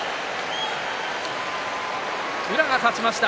宇良が勝ちました。